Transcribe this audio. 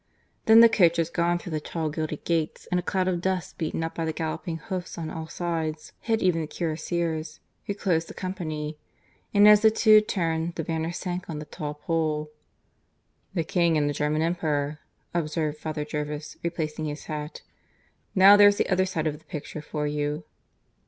Then the coach was gone through the tall gilded gates, and a cloud of dust, beaten up by the galloping hoofs on all sides, hid even the cuirassiers who closed the company. And as the two turned the banner sank on the tall pole. "The King and the German Emperor," observed Father Jervis, replacing his hat. "Now there's the other side of the picture for you."